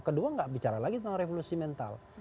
kedua nggak bicara lagi tentang revolusi mental